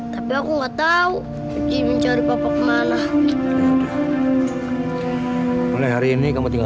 tolong ibu camkan baik baik ini